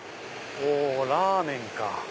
ラーメンか。